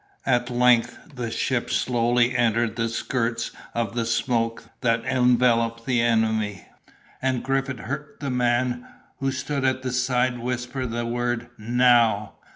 At length the ship slowly entered the skirts of the smoke that enveloped their enemy; and Griffith heard the man who stood at his side whisper the word "Now."